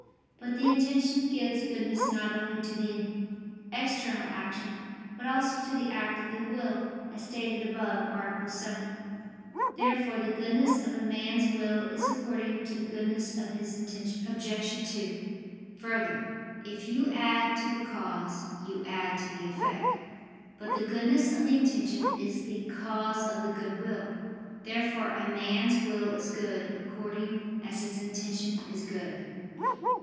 But the intention gives goodness not only to the external action, but also to the act of the will, as stated above (A. 7). Therefore the goodness of a man's will is according to the goodness of his intention. Obj. 2: Further, if you add to the cause, you add to the effect. But the goodness of the intention is the cause of the good will. Therefore a man's will is good, according as his intention is good.